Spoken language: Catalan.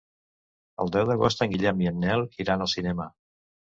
El deu d'agost en Guillem i en Nel iran al cinema.